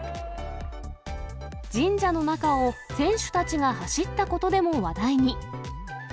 神社の中を選手たちが走ったことでも話題に。